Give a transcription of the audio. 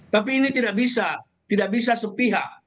tapi ini tidak bisa tidak bisa sepihak